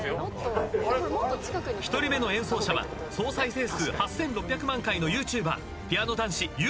１人目の演奏者は総再生数８，６００万回のＹｏｕＴｕｂｅｒぴあの男子ゆうちゃん。